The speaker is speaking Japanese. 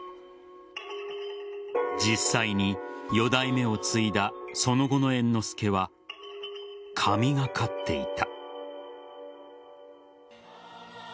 実際に、四代目を継いだその後の猿之助は神がかっていた。